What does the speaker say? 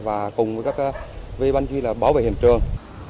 và cùng với các viên bản chứng viên là bảo vệ hiện trường